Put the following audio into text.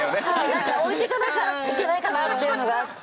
なんか置いてかなきゃいけないかなっていうのがあって。